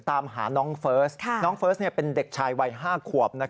ตามหาน้องเฟิร์สน้องเฟิร์สเป็นเด็กชายวัย๕ขวบ